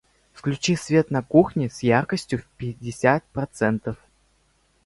Включи свет на кухне с яркостью в пятьдесят процентов.